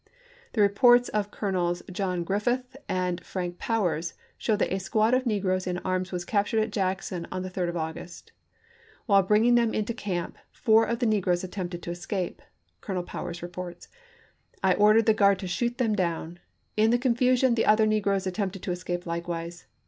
The reports of Colonels John Griffith and Frank Powers show that a squad of negroes in arms was captured at Jackson on the 3d of August. While bringing them into camp, "four of the negroes attempted to escape" (Colonel Powers reports) ;" I ordered the guard to shoot them down ; in the confusion the other negroes attempted to escape likewise.